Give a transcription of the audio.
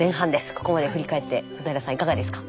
ここまでを振り返って小平さんいかがですか？